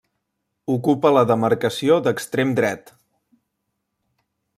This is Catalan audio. Ocupa la demarcació d'extrem dret.